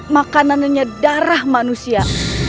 makanannya darah manusia